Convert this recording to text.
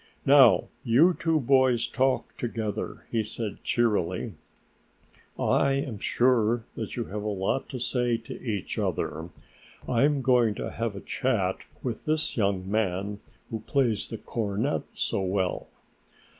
"Now, you two boys talk together," he said cheerily, "I am sure that you have a lot to say to each other. I'm going to have a chat with this young man who plays the cornet so well."